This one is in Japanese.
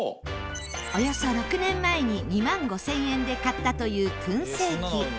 およそ６年前に２万５０００円で買ったという燻製器。